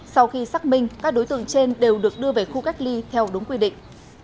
sau khi xác minh các đối tượng trên đều được đưa về khu cách ly theo đúng quy định